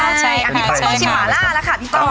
ต้องชิมหมาล่าแล้วค่ะนี่ต้อง